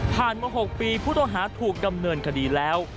ผ่านเมื่อหกปีพุทธอาหารถูกดำเนินคดีแล้ว